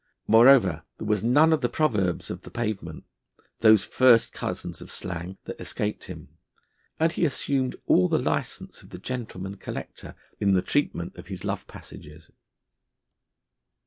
Moreover, there was none of the proverbs of the pavement, those first cousins of slang, that escaped him; and he assumed all the licence of the gentleman collector in the treatment of his love passages.